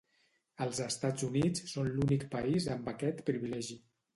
Els Estats Units són l'únic país amb aquest privilegi.